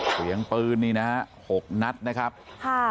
เสียงปืนนี่นะฮะหกนัดนะครับค่ะ